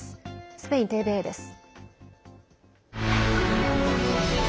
スペインＴＶＥです。